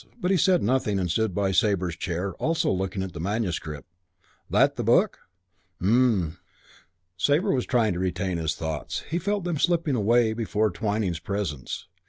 But he said nothing and stood by Sabre's chair, also looking at the manuscript. "That that book?" "M'm." Sabre was trying to retain his thoughts. He felt them slipping away before Twyning's presence.